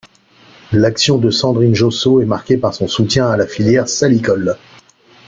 L'action de Sandrine Josso est marquée par son soutien à la filière salicole.